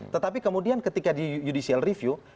tetapi kemudian ketika di judicial review